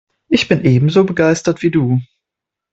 Ich bin ebenso begeistert wie du.